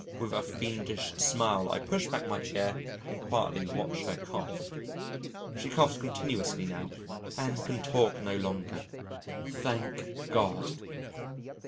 With a fiendish smile I push back my chair, and quietly watch her cough.... She coughs continuously now and can talk no longer. Thank God!